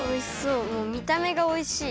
もうみためがおいしい。